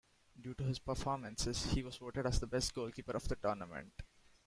Due to his performances, he was voted as the Best Goalkeeper of the Tournament.